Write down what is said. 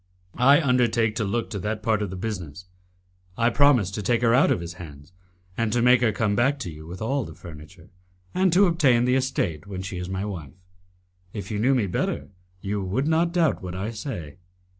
"I undertake to look to that part of the business. I promise to take her out of his hands, and to make her come back to you with all the furniture, and to obtain the estate when she is my wife. If you knew me better, you would not doubt what I say.